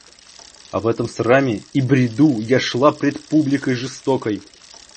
А в этом сраме и бреду Я шла пред публикой жестокой.